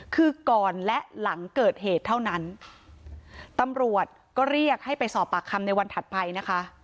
คือก่อนและหลังเกิดเหตุเท่านั้นตำรวจก็เรียกให้ไปสอบปากคำในวันถัดไปนะคะ